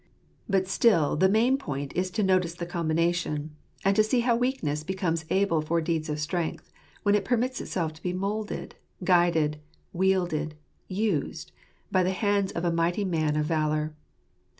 But still the main point is to notice the combination ; and to see how weakness becomes able for deeds of strength, when it permits itself to be moulded, guided, wielded, used, by the hands of a mighty man of valour.